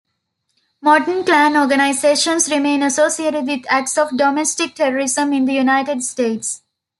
Modern Klan organizations remain associated with acts of domestic terrorism in the United States.